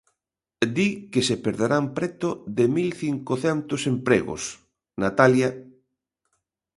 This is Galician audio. Di que se perderán preto de mil cincocentos empregos, Natalia...